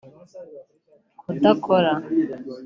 kudakora